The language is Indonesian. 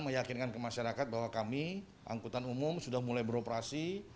meyakinkan ke masyarakat bahwa kami angkutan umum sudah mulai beroperasi